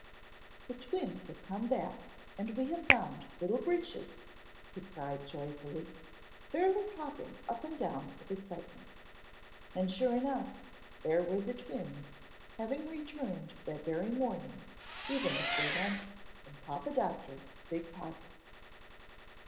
_ "THE twins have come back and we have found Little Breeches," he cried joyfully, fairly hopping up and down with excitement. And sure enough, there were the twins, having returned that very morning even as they went, in Papa Doctor's big pockets.